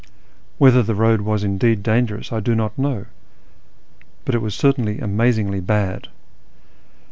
Whether the road was indeed dangerous I do not know, but it was certainly amazingly bad.